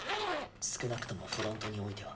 少なくともフロントにおいては。